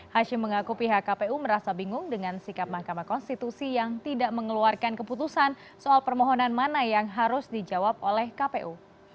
hashim mengaku pihak kpu merasa bingung dengan sikap mahkamah konstitusi yang tidak mengeluarkan keputusan soal permohonan mana yang harus dijawab oleh kpu